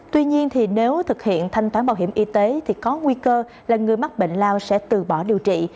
tuy nhiên nếu thực hiện thanh toán bảo hiểm y tế thì có nguy cơ là người mắc bệnh lao sẽ từ bỏ điều trị